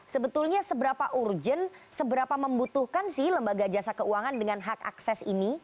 sebetulnya seberapa urgent seberapa membutuhkan sih lembaga jasa keuangan dengan hak akses ini